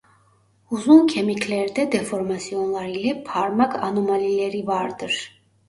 Uzun kemiklerde deformasyonlar ile parmak anomalileri vardır.